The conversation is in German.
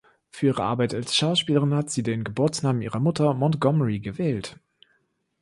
Für ihre Arbeit als Schauspielerin hat sie den Geburtsnamen ihrer Mutter, Montgomery gewählt.